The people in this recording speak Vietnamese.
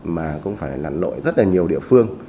mà cũng phải là lỗi rất là nhiều địa phương